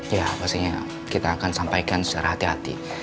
ya pastinya kita akan sampaikan secara hati hati